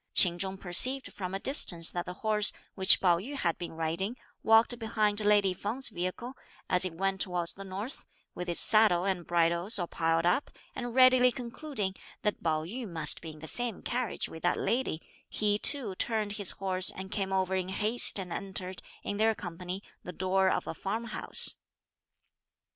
Ch'in Chung perceived from a distance that the horse, which Pao yü had been riding, walked behind lady Feng's vehicle, as it went towards the north, with its saddle and bridles all piled up, and readily concluding that Pao yü must be in the same carriage with that lady, he too turned his horse and came over in haste and entered, in their company, the door of a farm house.